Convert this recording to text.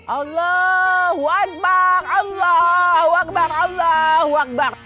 allahu akbar allahu akbar allahu akbar